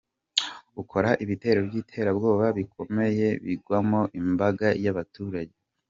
Ukora ibitero by’iterabwoba bikomeye bigwamo imbaga y’abaturage.